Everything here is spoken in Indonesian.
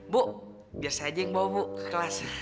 bu biar saya aja yang bawa bu ke kelas